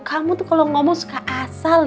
kamu tuh kalau ngomong suka asal